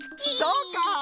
そうか。